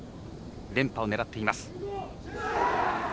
連覇を狙っています。